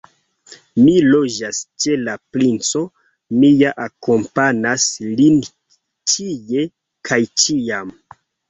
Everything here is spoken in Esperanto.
Mi loĝas ĉe la princo, mia akompanas lin ĉie kaj ĉiam.